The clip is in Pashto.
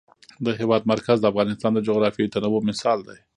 د هېواد مرکز د افغانستان د جغرافیوي تنوع مثال دی.